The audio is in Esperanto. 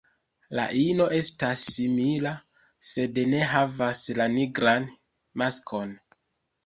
La ino estas simila, sed ne havas la nigran maskon.